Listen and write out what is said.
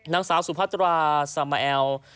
นางสาวสุพัตราซามาแอล